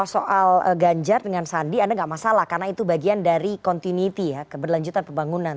soal ganjar dengan sandi anda nggak masalah karena itu bagian dari continuity ya keberlanjutan pembangunan